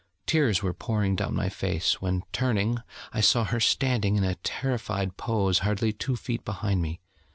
Tears were pouring down my face, when, turning, I saw her standing in a terrified pose hardly two feet behind me.